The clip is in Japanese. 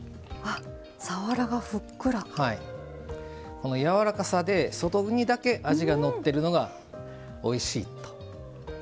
このやわらかさで外にだけ味がのってるのがおいしいというふうに思います。